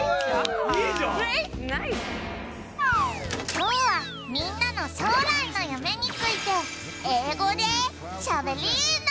きょうはみんなの将来の夢について英語でしゃべりーな！